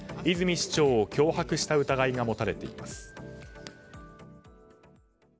市長を脅迫した疑いが持たれています。